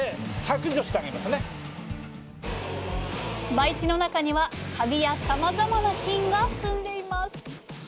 培地の中にはカビやさまざまな菌が住んでいます。